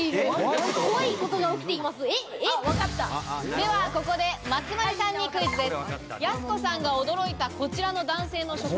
ではここで松丸さんにクイズです。